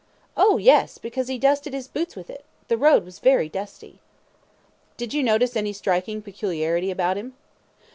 A. Oh, yes; because he dusted his boots with it. The road was very dusty. Q. Did you notice any striking peculiarity about him?